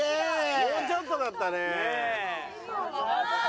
もうちょっとだったね。ねえ。ああ。